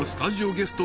ゲスト。